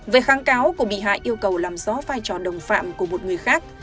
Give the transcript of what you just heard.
về kháng cáo của bị hại yêu cầu làm rõ vai trò đồng phạm của một người khác